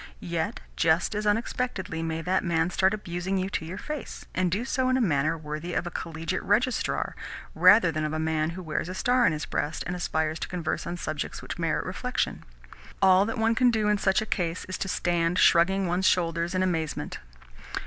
Yet just as unexpectedly may that man start abusing you to your face and do so in a manner worthy of a collegiate registrar rather than of a man who wears a star on his breast and aspires to converse on subjects which merit reflection. All that one can do in such a case is to stand shrugging one's shoulders in amazement.)